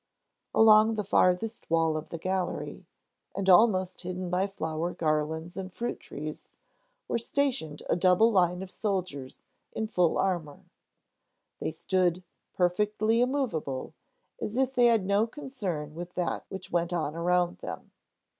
Along the farthest wall of the gallery, and almost hidden by flower garlands and fruit trees, was stationed a double line of soldiers in full armor. They stood, perfectly immovable, as if they had no concern with that which went on around them.